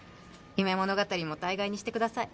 夢物語も大概にしてください